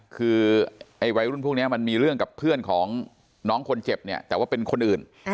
คือไอ้วัยรุ่นพวกนี้มันมีเรื่องกับเพื่อนของน้องคนเจ็บเนี่ยแต่ว่าเป็นคนอื่น